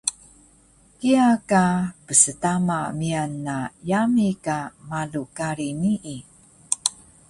kiya ka pstama miyan na yami ka malu kari nii